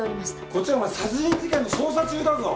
こっちはお前殺人事件の捜査中だぞ。